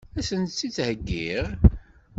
Ad sent-t-id-heggiɣ?